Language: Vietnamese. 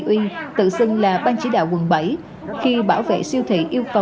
người đàn ông tự xưng là bang chỉ đạo quận bảy khi bảo vệ siêu thị yêu cầu